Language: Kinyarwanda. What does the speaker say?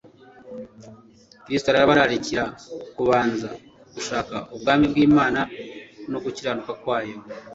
Kristo arabararikira kubanza gushaka ubwami bw’Imana, no gukiranuka kwayo;